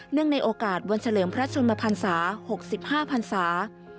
เนื่องในโอกาสวัญเฉลิมพระชมพันศา๖๕พันศา